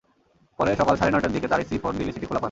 পরে সকাল সাড়ে নয়টার দিকে তাঁর স্ত্রী ফোন দিলে সেটি খোলা পান।